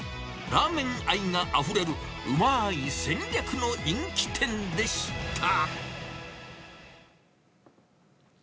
ラーメン愛があふれるうまい戦略の人気店でした。